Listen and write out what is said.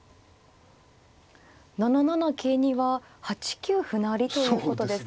７七桂には８九歩成ということですか。